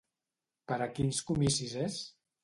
Per a quins comicis és?